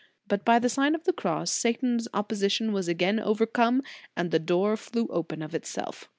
But by the Sign of the Cross, Satan s opposition was again overcome, and the door flew open of itself.